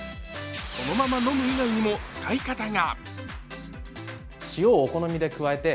そのまま飲む以外にも使い方が。